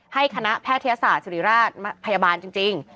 คณะแพทยศาสตร์ศิริราชพยาบาลจริง